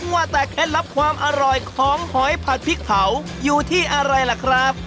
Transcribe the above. ว่าแต่เคล็ดลับความอร่อยของหอยผัดพริกเผาอยู่ที่อะไรล่ะครับ